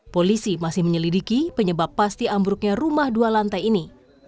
polisi masih menyelidiki penyebab pasti ambruknya rumah dua lantai ini